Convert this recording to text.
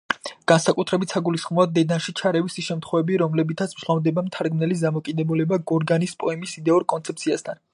განსაკუთრებით საგულისხმოა დედანში ჩარევის ის შემთხვევები, რომლებითაც მჟღავნდება მთარგმნელის დამოკიდებულება გორგანის პოემის იდეურ კონცეფციასთან.